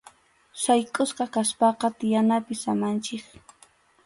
Sayk’usqa kaspaqa tiyanapi samanchik.